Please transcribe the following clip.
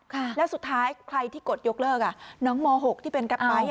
แล้วสุดท้ายใครที่กดยกเลิกอ่ะน้องม๖ที่เป็นแกรปไบท์